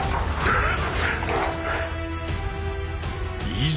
いざ。